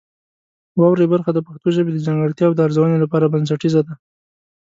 واورئ برخه د پښتو ژبې د ځانګړتیاوو د ارزونې لپاره بنسټیزه ده.